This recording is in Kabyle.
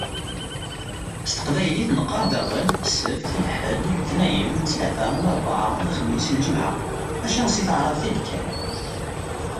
S teqbaylit neqqaṛ daɣen: Sebt, lḥed, letniyen, ttlata, larbɛa, lexmis, lǧemɛa. Maca si taɛrabt i d-kkan.